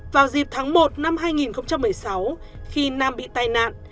vào dịp tháng một năm hai nghìn một mươi sáu khi nam bị tai nạn